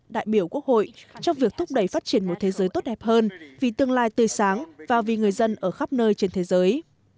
đại biểu quốc hội trong việc thúc đẩy phát triển một thế giới tốt đẹp hơn vì tương lai tươi sáng và vì người dân ở khắp nơi trên thế giới